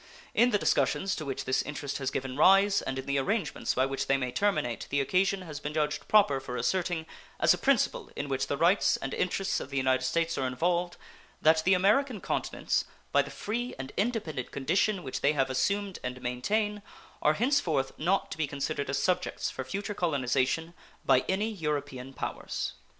In the discussions to which this interest has given rise and in the arrangements by which they may terminate the occasion has been judged proper for asserting, as a principle in which the rights and interests of the United States are involved, that the American continents, by the free and independent condition which they have assumed and maintain, are henceforth not to be considered as subjects for future colonization by any European powers.